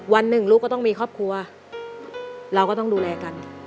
วันหนึ่งลูกก็ต้องมีครอบครัวเราก็ต้องดูแลกัน